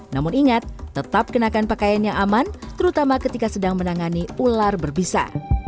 namun ingat tetap kenakan pakaian yang aman terutama ketika sedang menangani ular berbisa